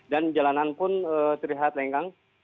dan jalanan pun terlihat lenggang